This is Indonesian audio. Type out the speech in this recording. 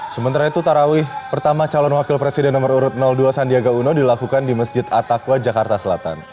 sementara itu tarawih pertama calon wakil presiden nomor urut dua sandiaga uno dilakukan di masjid attaqwa jakarta selatan